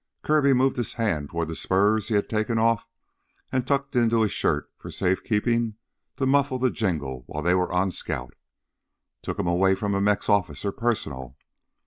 Kirby moved his hand toward the spurs he had taken off and tucked into his shirt for safekeeping to muffle the jingle while they were on scout. "Took 'em away from a Mex officer, personal.